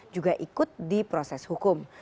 juga ikut di proses hukum